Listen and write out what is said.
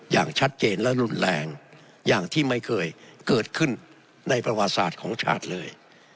อย่างชัดเจนและรุนแรงอย่างที่ไม่เคยเกิดขึ้นในประวัติศาสตร์ของชาติเลย